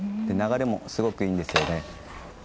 流れもすごくいいんですよね。